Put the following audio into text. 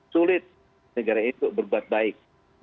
sulit negara itu berbuat baik